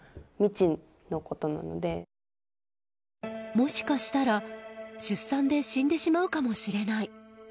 もしかしたら出産で死んでしまうかもしれない。